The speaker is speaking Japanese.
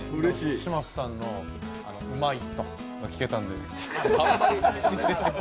嶋佐さんのうまイットが聞けたんで。